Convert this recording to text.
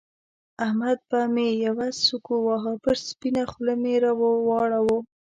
احمد مې يوه سوک وواهه؛ پر سپينه خوا مې را واړاوو.